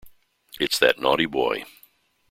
It's that naughty boy.